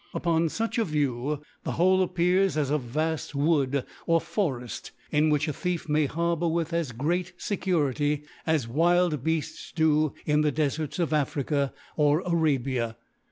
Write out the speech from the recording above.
Upon fuch a View, the whole appears as a vaft Wood or Foreft, in which a TWef may harbour with as great Security, as (1X7) as wild Beads do in the Defarts of jtfrica or Arabia.